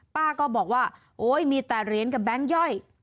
ป้าก็บอกว่าโอ๊ยมีแต่เหรียญกับแบงค์ย่อย